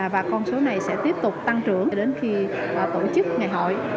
và con số này sẽ tiếp tục tăng trưởng cho đến khi tổ chức ngày hội